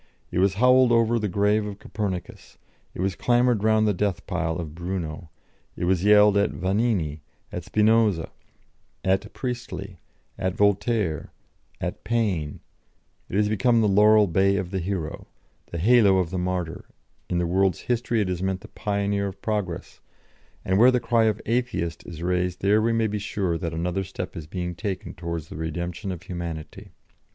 It was howled over the grave of Copernicus; it was clamoured round the death pile of Bruno; it was yelled at Vanini, at Spinoza, at Priestley, at Voltaire, at Paine; it has become the laurel bay of the hero, the halo of the martyr; in the world's history it has meant the pioneer of progress, and where the cry of 'Atheist' is raised there may we be sure that another step is being taken towards the redemption of humanity.